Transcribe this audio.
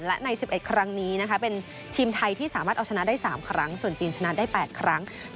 และใน๑๑ครั้งนี้นะคะเป็นทีมไทยที่สามารถเอาชนะได้๓ครั้งส่วนจีนชนะได้๘ครั้ง